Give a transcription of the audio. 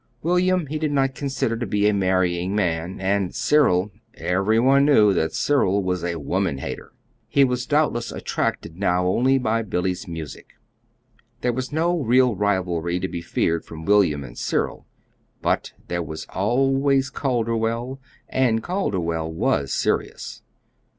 William he did not consider to be a marrying man; and Cyril every one knew that Cyril was a woman hater. He was doubtless attracted now only by Billy's music. There was no real rivalry to be feared from William and Cyril. But there was always Calderwell, and Calderwell was serious.